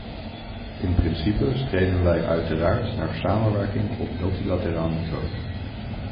In principe streven wij uiteraard naar samenwerking op multilateraal niveau.